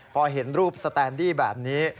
พอเห็นรูปสแตนดี้แบบนี้